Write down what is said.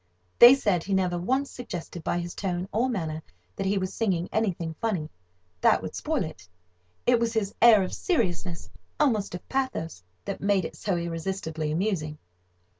They said he never once suggested by his tone or manner that he was singing anything funny—that would spoil it. It was his air of seriousness, almost of pathos, that made it so irresistibly amusing.